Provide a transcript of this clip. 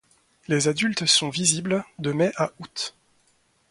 Les adultes sont visibles de mai à août.